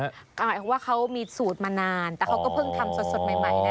หมายความว่าเขามีสูตรมานานแต่เขาก็เพิ่งทำสดใหม่นะ